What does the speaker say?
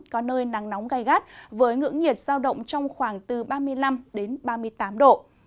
có nơi nắng nóng gai gắt với ngưỡng nhiệt giao động trong khoảng từ ba mươi năm đến ba mươi tám độ